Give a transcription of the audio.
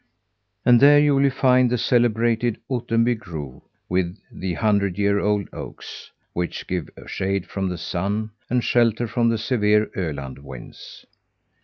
And there you will find the celebrated Ottenby grove with the hundred year old oaks, which give shade from the sun, and shelter from the severe Öland winds.